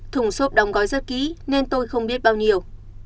thùng xốp đóng gói rất kỹ nên tôi không biết bao nhiêu